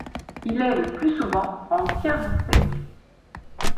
Il est le plus souvent entièrement sec.